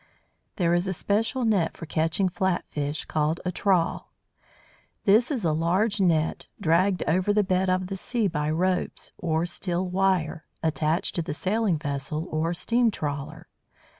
There is a special net for catching flat fish, called a trawl. This is a large net, dragged over the bed of the sea by ropes, or steel wire, attached to the sailing vessel or steam trawler.